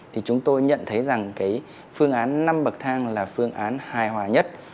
thì chúng tôi nhận thấy rằng cái phương án năm bậc thang là phương án hài hòa nhất